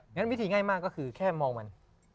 งั้นวิธีง่ายมากก็คือแค่มองมัน